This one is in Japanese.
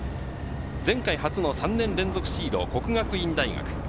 前回初の３年連続シード國學院大學。